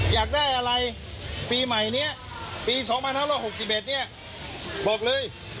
อยากได้อะไรปีใหม่นี้ปี๒๐๒๑บอกเลย